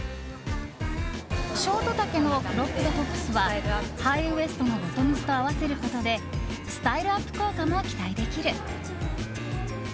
ショート丈のクロップドトップスはハイウエストのボトムスと合わせることでスタイルアップ効果も期待できる。